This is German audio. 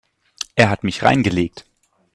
Er hat mich reingelegt.